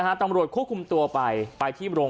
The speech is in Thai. ก็แค่มีเรื่องเดียวให้มันพอแค่นี้เถอะ